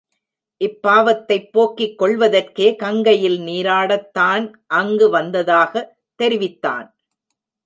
இப் பாவத்தைப் போக்கிக் கொள்வதற்கே கங்கையில் நீராடத் தான் அங்கு வந்ததாகத் தெரிவித்தான்.